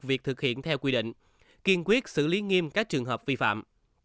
việc thực hiện theo quy định kiên quyết xử lý nghiêm các trường hợp vi phạm